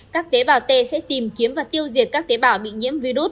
các tế bào t sẽ tìm kiếm và tiêu diệt các tế bào bị nhiễm virus